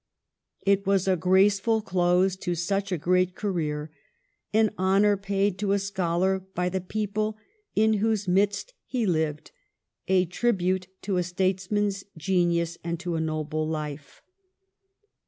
It was a graceful close to such a great career ; an honor paid to a scholar by the people in whose midst he lived; a tribute to a statesman's genius and to a noble life.